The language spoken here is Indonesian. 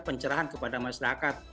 pencerahan kepada masyarakat